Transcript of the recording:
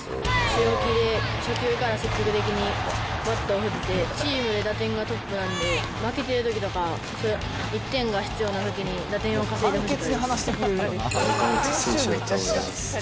強気で初球から積極的にバットを振って、チームで打点がトップなんで、負けてるときとか、１点が必要なときに、打点を稼いでほしい。